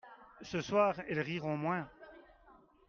Ce soir elles riront moins.